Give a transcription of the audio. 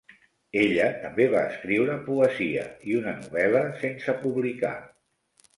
Ella també va escriure poesia i una novel·la sense publicar.